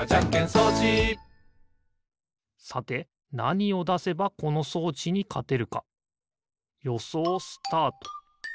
さてなにをだせばこの装置にかてるかよそうスタート！